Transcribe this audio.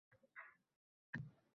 Kallang ketadi